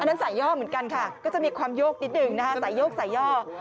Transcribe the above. นั่นสายย่อเหมือนกันค่ะก็จะมีความโยกนิดหนึ่งนะคะสายโยกสายย่อ